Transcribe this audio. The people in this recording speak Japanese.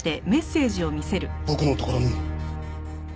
僕のところにも。